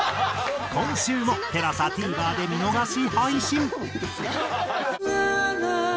今週もＴＥＬＡＳＡＴＶｅｒで見逃し配信。